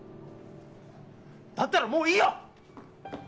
だったらもういいよ！